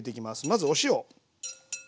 まずお塩。